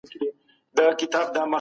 خلک په بدو نومونو مه یادوئ.